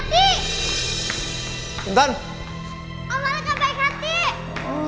om malaikat baik hati